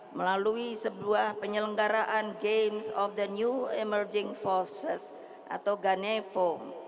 melalui sebuah penyelenggaraan games of the new emerging forces atau ganevo